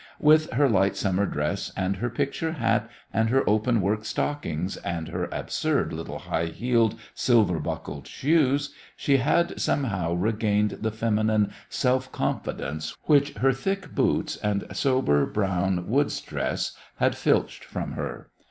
With her light summer dress and her picture hat and her open work stockings and her absurd little high heeled, silver buckled shoes she had somehow regained the feminine self confidence which her thick boots and sober brown woods dress had filched from her.